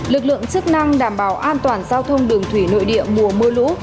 lực lượng chức năng đảm bảo an toàn giao thông đường thủy nội địa mùa mưa lũ